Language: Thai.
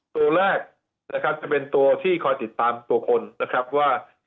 ตัวแรกนะครับจะเป็นตัวที่คอยติดตามตัวคนนะครับว่า